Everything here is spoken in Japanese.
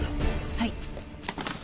はい。